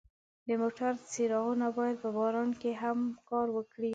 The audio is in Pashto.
د موټرو څراغونه باید په باران کې هم کار وکړي.